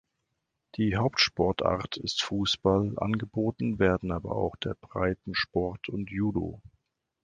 Die Hauptsportart ist Fußball, angeboten werden aber auch der Breitensport und Judo.